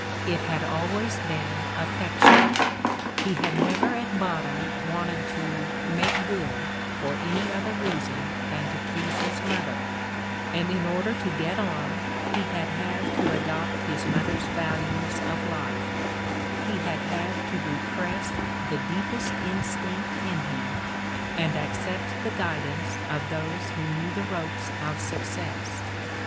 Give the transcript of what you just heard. It had always been affection ! He had never at bottom wanted to "make good" for any other reason than to please his mother, and in order to get on he had had to adopt his mother 's values of life ; The had had to repress the deepest instinct in him and accept the guidance of those who knew the ropes of success.